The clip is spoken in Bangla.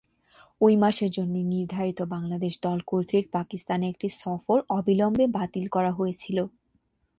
ওই মাসের জন্য নির্ধারিত বাংলাদেশ দল কর্তৃক পাকিস্তানে একটি সফর অবিলম্বে বাতিল করা হয়েছিল।